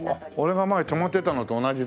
俺が前泊まってたのと同じだ。